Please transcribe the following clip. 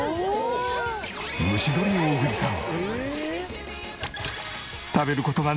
蒸し鶏大食いさん。